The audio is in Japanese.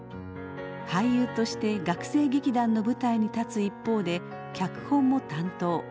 俳優として学生劇団の舞台に立つ一方で脚本も担当。